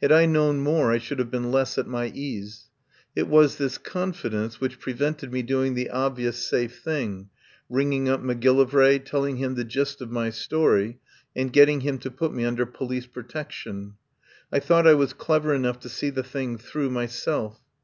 Had I known more I should have been less at my ease. It was this confi dence which prevented me doing the obvious safe thing — ringing up Macgillivray, telling him the gist of my story, and getting him to put me under police protection. I thought I was clever enough to see the thing through myself.